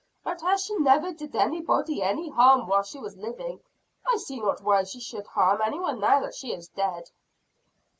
But as she never did anybody any harm while she was living, I see not why she should harm any one now that she is dead."